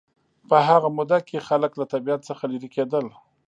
په هغه موده کې خلک له طبیعت څخه لېرې کېدل